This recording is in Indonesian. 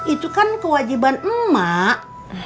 itu kan kewajiban emak